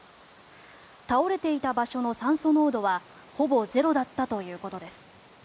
倒れていた場所の酸素濃度はほぼゼロだったということです。